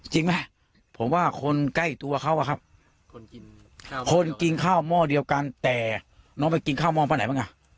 จริงไหมผมว่าคนใกล้ตัวเขาอะครับคนกินข้าวหม้อเดียวกันแต่น้องไปกินข้าวหม้อเพราะไหนบ้างอ่ะ